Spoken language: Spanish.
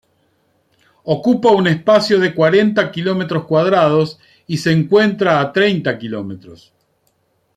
Ocupa un espacio de cuarenta kilómetros cuadrados y se encuentra a treinta km.